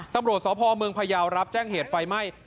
ตำรวจสพเมืองพยาวรับแจ้งเหตุไฟไหม้